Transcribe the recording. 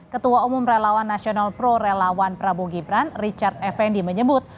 ketua umum relawan nasional pro relawan prabowo gibran richard effendi menyebut